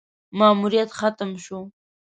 ماموریت ختم شو: